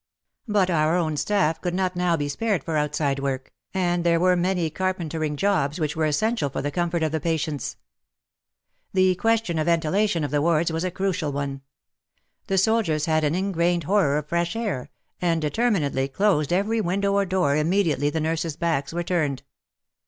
But our own staff could not now be spared for outside work, and there were many carpentering jobs which were essential for the comfort of the patients. The question of ventilation of the wards was a crucial one. The soldiers had an ingrained horror of fresh air, and determinedly closed every window or door immediately the nurses' backs were turned.